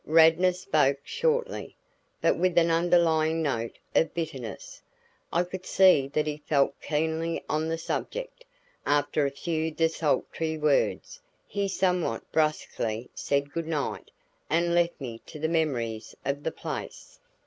Radnor spoke shortly, but with an underlying note of bitterness. I could see that he felt keenly on the subject. After a few desultory words, he somewhat brusquely said good night, and left me to the memories of the place.